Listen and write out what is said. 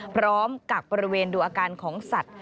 พร้อมกับประเวณดูอาการของสัตว์